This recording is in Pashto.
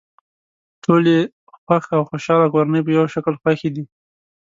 ټولې خوښ او خوشحاله کورنۍ په یوه شکل خوښې دي.